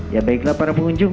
ya baiklah para pengunjung